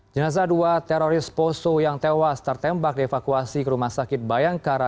jenazah dua teroris poso yang tewas tertembak dievakuasi ke rumah sakit bayangkara